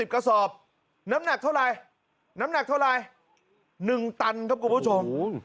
กระสอบน้ำหนักเท่าไรน้ำหนักเท่าไร๑ตันครับคุณผู้ชม